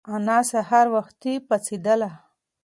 انا سهار وختي پاڅېدله.